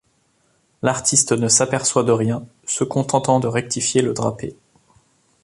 L'artiste ne s'aperçoit de rien, se contentant de rectifier le drapé.